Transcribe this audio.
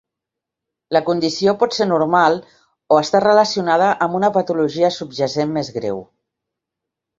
La condició pot ser normal o estar relacionada amb una patologia subjacent més greu.